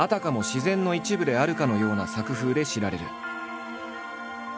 自然の一部であるかのような作風で知られる。